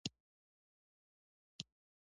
افغانستان ډېرې ځمکې له لاسه ورکړې.